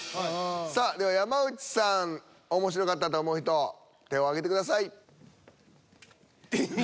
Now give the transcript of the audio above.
さあでは山内さん面白かったと思う人手を挙げてください。